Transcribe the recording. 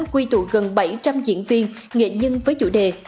quy tụ gần bảy trăm linh diễn viên nghệ nhân với chủ đề